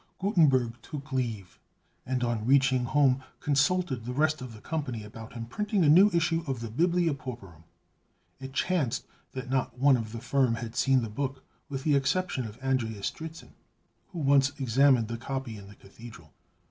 Gutenberg took leave, and on reaching home consulted the rest of the company about imprinting a new issue of the "Biblia Pauperum." It chanced that not one of the firm had seen the book, with the exception of Andreas Dritzhn, who once examined the copy in the Cathedral.